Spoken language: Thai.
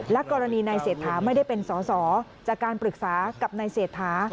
และกรณีนายเสถาไม่ได้เป็นสอจากการปรึกษากับนายเสถา